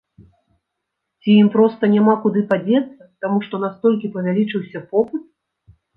Ці ім проста няма куды падзецца, таму што настолькі павялічыўся попыт?